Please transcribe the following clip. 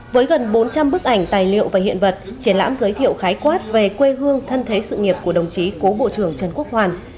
với gần bốn trăm linh bức ảnh tài liệu và hiện vật triển lãm giới thiệu khái quát về quê hương thân thế sự nghiệp của đồng chí cố bộ trưởng trần quốc hoàn